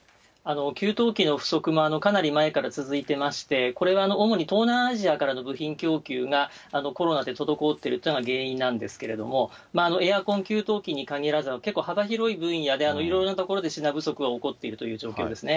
給湯器の不足も、かなり前から続いていまして、これは主に東南アジアからの部品供給がコロナで滞っているというのが原因なんですけれども、エアコン、給湯器に限らず、結構幅広い分野で、いろいろなところで品不足が起こっているという状況ですね。